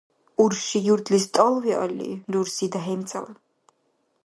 Урши юртлис тӀал виалли, рурси — дяхӀимцӀала.